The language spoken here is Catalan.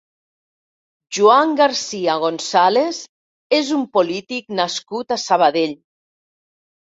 Joan García González és un polític nascut a Sabadell.